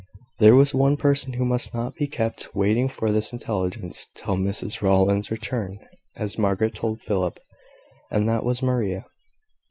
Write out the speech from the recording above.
There was one person who must not be kept waiting for this intelligence till Mrs Rowland's return as Margaret told Philip and that was Maria.